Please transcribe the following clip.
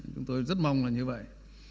chúng tôi rất mong là như vậy